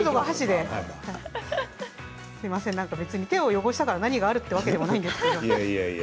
すみません手を汚したくない何があるというわけではないんですけれども。